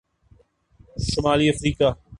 شمالی افریقہ